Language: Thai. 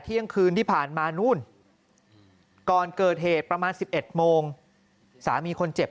เที่ยงคืนที่ผ่านมานู่นก่อนเกิดเหตุประมาณ๑๑โมงสามีคนเจ็บ